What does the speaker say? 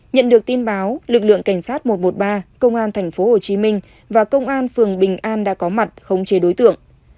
nhận được tin báo lực lượng cảnh sát một trăm một mươi ba công an tp hcm và công an phường bình an đã có mặt khống chế đối tượng